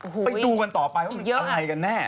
ไปดูกันต่อไปว่ามันอะไรกันแน่